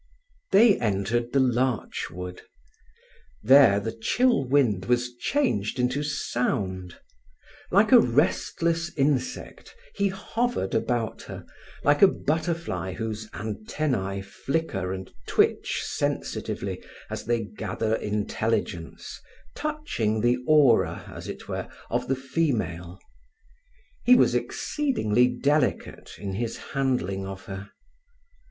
They entered the larch wood. There the chill wind was changed into sound. Like a restless insect he hovered about her, like a butterfly whose antennae flicker and twitch sensitively as they gather intelligence, touching the aura, as it were, of the female. He was exceedingly delicate in his handling of her.